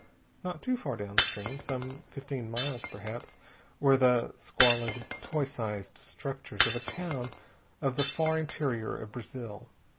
Not too far downstream some fifteen miles, perhaps were the squalid, toy sized structures of a town of the far interior of Brazil.